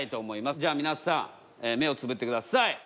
じゃあ皆さん目をつぶってください。